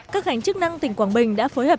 các ngành chức năng tỉnh quảng bình đã phối hợp